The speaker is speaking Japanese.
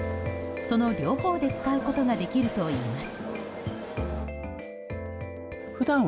その両方で使うことができるといいます。